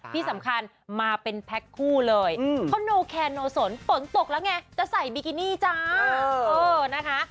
ที่สำคัญมาเป็นแพ็คคู่เลยเพราะโนแคนโนสนฝนตกแล้วไงจะใส่บิกินี่จ้านะคะ